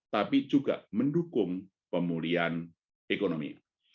tapi juga mendukung pemulihan ekonomi